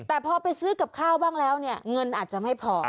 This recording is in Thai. แต่พอไปซื้อกับข้าวบ้างแล้วเนี่ยเงินอาจจะไม่พอ